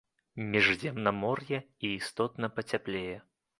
Міжземнамор'я і істотна пацяплее.